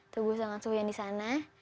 tubuh tubuh yang disana